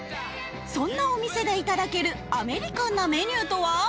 そんなお店でいただけるアメリカンなメニューとは？